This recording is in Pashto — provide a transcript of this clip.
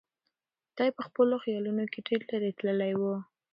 دی په خپلو خیالونو کې ډېر لرې تللی و.